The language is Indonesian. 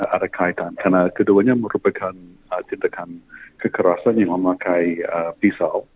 ada kaitan karena keduanya merupakan tindakan kekerasan yang memakai pisau